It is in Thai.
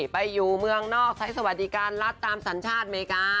ไปอยู่เมืองนอกใช้สวัสดิการรัฐตามสัญชาติอเมริกา